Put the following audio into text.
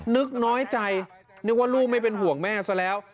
นึกน้อยใจนึกว่าลูกไม่เป็นห่วงแม่ซะแล้ว